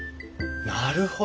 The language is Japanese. なるほど。